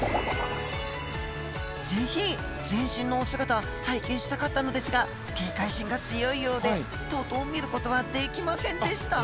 ぜひ全身のお姿拝見したかったのですが警戒心が強いようでとうとう見ることはできませんでした